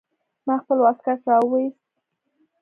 ما خپل واسکټ راوايست.